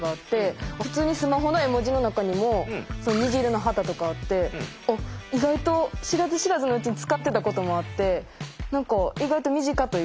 普通にスマホの絵文字の中にも虹色の旗とかあって意外と知らず知らずのうちに使ってたこともあって何か意外と身近というか。